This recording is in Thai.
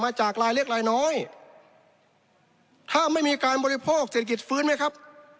จากรายเล็กรายน้อยถ้าไม่มีการบริโภคเศรษฐกิจฟื้นไหมครับ